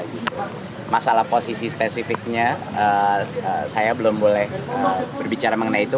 nah masalah posisi spesifiknya saya belum boleh berbicara mengenai itu